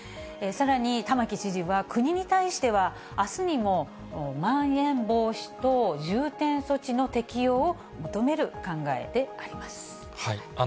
さらに玉城知事は、国に対しては、あすにもまん延防止等重点措置の適用を求める考えであります。